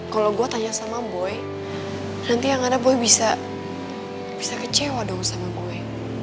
kalau gue tanya sama boy nanti yang ada boy bisa kecewa dong sama gue